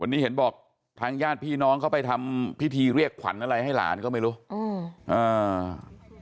วันนี้เห็นบอกทางญาติพี่น้องเขาไปทำพิธีเรียกขวัญอะไรให้หลานก็ไม่รู้อืมอ่า